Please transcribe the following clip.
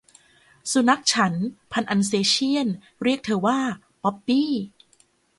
สุนัขฉันพันธุ์อัลเซเชี่ยนเรียกเธอว่า 'ป๊อปปี้'